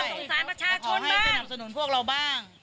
ขอให้สนับสนุนพวกเราบ้าง